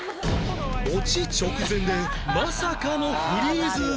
オチ直前でまさかのフリーズ